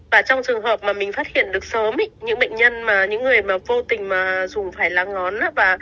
và trong trường hợp mà mình phát hiện được sớm những bệnh nhân những người vô tình dùng phải lá ngón